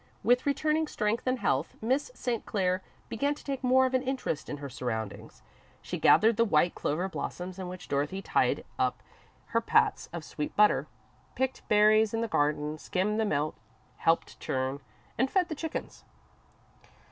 With returning strength and health, Miss St. Clair began to take more of an interest in her surroundings. She gathered the white clover blossoms in which Dorothy tied up her pats of sweet butter, picked berries in the garden, skimmed the milk, helped churn, and fed the chickens.